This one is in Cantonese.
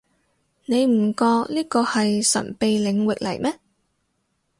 你唔覺呢個係神秘領域嚟咩